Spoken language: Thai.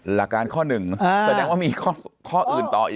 หลักการข้อหนึ่งแสดงว่ามีข้ออื่นต่ออีก